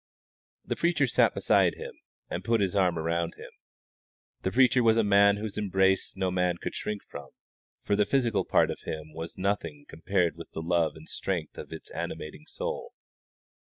The preacher sat beside him, and put his arm around him. The preacher was a man whose embrace no man could shrink from, for the physical part of him was as nothing compared with the love and strength of its animating soul.